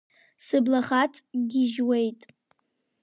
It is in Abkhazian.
Сыблахаҵ гьежьуеит!